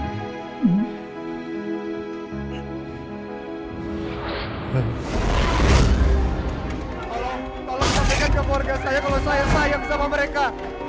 tolong sampaikan ke keluarga saya kalau saya sayang sama mereka